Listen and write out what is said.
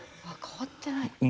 あ変わってない。